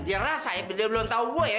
dia rasa ya dia belum tahu gue ya